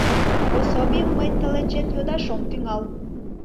Пособийым мый тылечет йодаш ом тӱҥал.